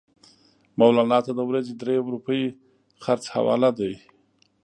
مولنا ته د ورځې درې روپۍ خرڅ حواله دي.